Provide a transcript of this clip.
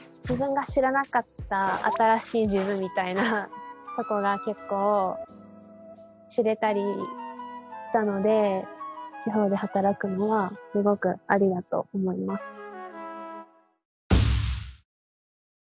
自分が知らなかった新しい自分みたいなとこが結構知れたりしたので地方で働くのはすごくアリだと思います。